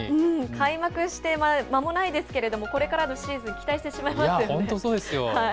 開幕してまもないですけども、これからのシーズン、期待してし本当そうですよ。